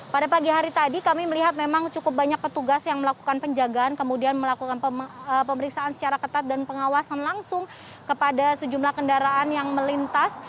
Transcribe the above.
pada pagi hari tadi kami melihat memang cukup banyak petugas yang melakukan penjagaan kemudian melakukan pemeriksaan secara ketat dan pengawasan langsung kepada sejumlah kendaraan yang melintas